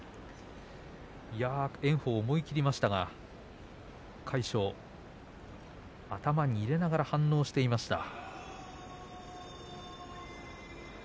炎鵬は思い切りましたが魁勝頭に入れながら反応していました。